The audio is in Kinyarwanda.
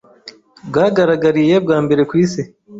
bwagaragariye bwa mbere ku isi